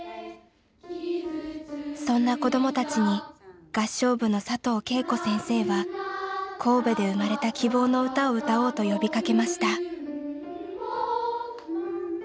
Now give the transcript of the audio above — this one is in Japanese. そんな子どもたちに合唱部の佐藤敬子先生は神戸で生まれた希望の歌を歌おうと呼びかけました。